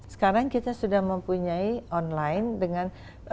sekarang kita sudah mempunyai online dengan satu ratus sembilan belas